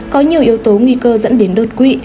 có nhiều yếu tố nguy cơ dẫn đến đột quỵ